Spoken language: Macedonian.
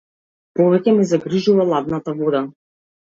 Повеќе ме загрижува ладната вода.